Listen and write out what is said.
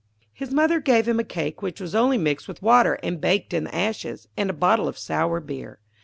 ] His mother gave him a cake which was only mixed with water and baked in the ashes, and a bottle of sour beer.